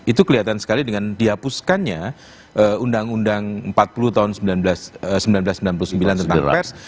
itu kelihatan sekali dengan dihapuskannya undang undang empat puluh tahun seribu sembilan ratus sembilan puluh sembilan tentang pers